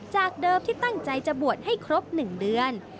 จากเดิมที่ตั้งใจจะบวชให้ครบ๑เดือน